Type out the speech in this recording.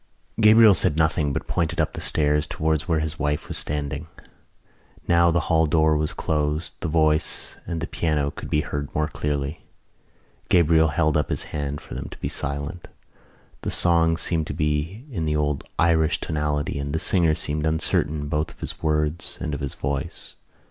Gabriel said nothing but pointed up the stairs towards where his wife was standing. Now that the hall door was closed the voice and the piano could be heard more clearly. Gabriel held up his hand for them to be silent. The song seemed to be in the old Irish tonality and the singer seemed uncertain both of his words and of his voice.